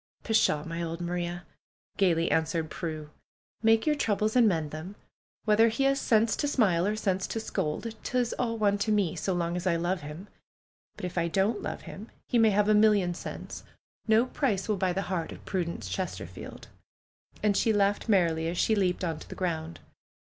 "Pshaw! My old Maria!" gaily answered Prue. "Make your troubles and mend them. Whether he has sense to smile, or sense to scold, 'tis all one to me, so long as I love him. But if I don't love him, he may TRUE'S GARDENER 17 i have a million cents ; no price will buy the heart of Prudence Chesterfield. " And she laughed merrily as she leaped on to the ground.